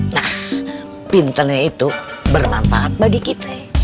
nah pinternya itu bermanfaat bagi kita